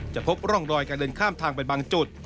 พบร่องรอยการเดินข้ามทางไปบางจุด